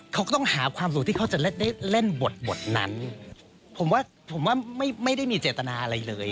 เขาก็ต้องหาความสุขที่เขาจะเล่นบทนั้นผมว่าไม่ได้มีเจตนาอะไรเลย